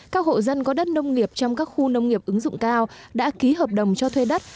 các hộ dân có đất nông nghiệp trong các khu nông nghiệp ứng dụng cao đã ký hợp đồng cho thuê đất